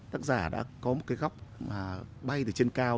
tác giả đã có một cái góc mà bay từ trên cao